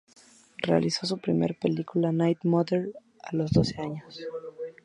Realizó su primera película, "Night Mother" a los doce años.